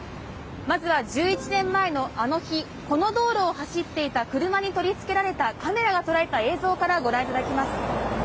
まずは１１年前のあの日、この道路を走っていた車に取り付けられたカメラが捉えた映像から御覧いただきます。